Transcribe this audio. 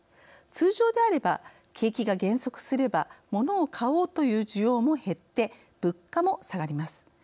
通常であれば、景気が減速すればモノを買おうという需要も減って物価も下がります。